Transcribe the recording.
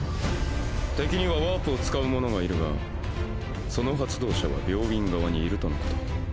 敵にはワープを使う者がいるがその発動者は病院側にいるとのこと。